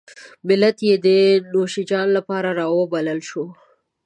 ملت یې د نوشیجان لپاره راوبلل شو.